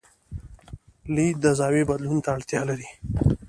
لید د زاویې بدلون ته اړتیا لري.